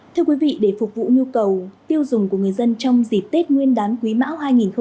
thưa quý vị để phục vụ nhu cầu tiêu dùng của người dân trong dịp tết nguyên đán quý mão hai nghìn hai mươi